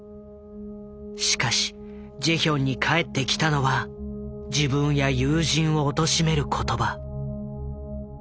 しかしジェヒョンに返ってきたのは自分や友人をおとしめる言葉。